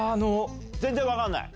全然分かんない？